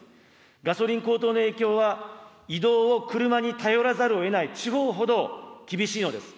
ガソリン高騰の影響は、移動を車に頼らざるをえない地方ほど、厳しいのです。